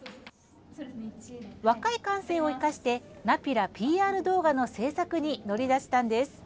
若い感性を生かしてナピラＰＲ動画の制作に乗り出したんです。